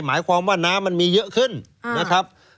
หมายความว่าน้ำมันมีเยอะขึ้นนะครับ